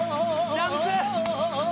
ジャンプ！